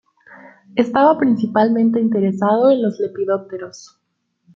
Estaba principalmente interesado en los lepidópteros.